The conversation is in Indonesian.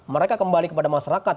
mereka kembali kepada masyarakat